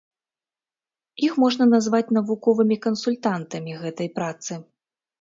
Іх можна назваць навуковымі кансультантамі гэтай працы.